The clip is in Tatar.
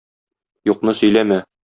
Юкны сөйләмә.